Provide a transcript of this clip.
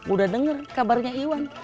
udah denger kabarnya iwan